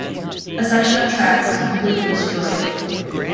A section of track was completely destroyed.